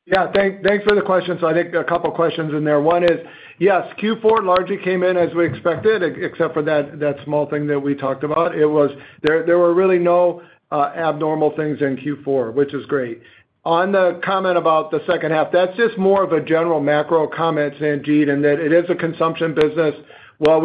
Yeah. Thanks for the question. I think a couple questions in there. One is, yes, Q4 largely came in as we expected, except for that small thing that we talked about. There were really no abnormal things in Q4, which is great. On the comment about the second half, that's just more of a general macro comment, Sanjit, and that it is a consumption business. While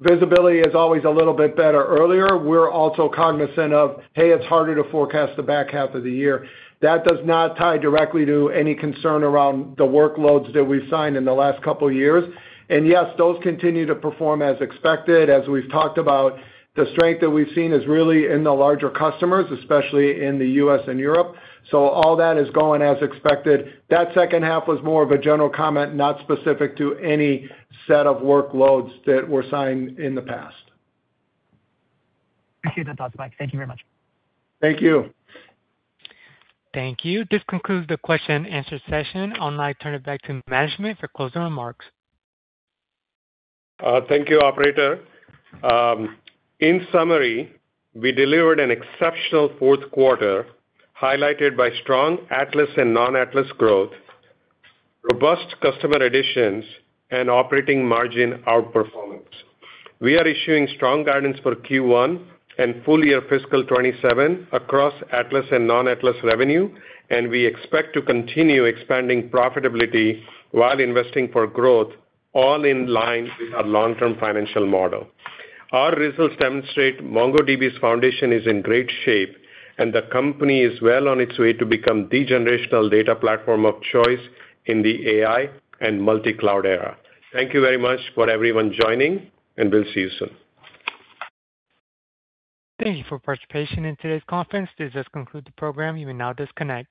visibility is always a little bit better earlier, we're also cognizant of, hey, it's harder to forecast the back half of the year. That does not tie directly to any concern around the workloads that we've signed in the last couple years. Yes, those continue to perform as expected. As we've talked about, the strength that we've seen is really in the larger customers, especially in the U.S. and Europe. All that is going as expected. That second half was more of a general comment, not specific to any set of workloads that were signed in the past. Appreciate the thoughts, Mike. Thank you very much. Thank you. Thank you. This concludes the question-and-answer session. I'll now turn it back to management for closing remarks. Thank you, operator. In summary, we delivered an exceptional fourth quarter, highlighted by strong Atlas and non-Atlas growth, robust customer additions, and operating margin outperformance. We are issuing strong guidance for Q1 and full year fiscal 2027 across Atlas and non-Atlas revenue. We expect to continue expanding profitability while investing for growth, all in line with our long-term financial model. Our results demonstrate MongoDB's foundation is in great shape, and the company is well on its way to become the generational data platform of choice in the AI and multi-cloud era. Thank you very much for everyone joining. We'll see you soon. Thank you for participation in today's conference. This does conclude the program. You may now disconnect.